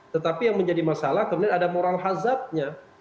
tetapi yang menjadi masalah kemudian ada moral hazardnya